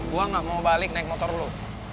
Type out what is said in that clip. gue gak mau balik naik motor dulu